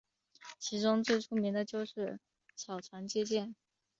其中最出名的就是草船借箭。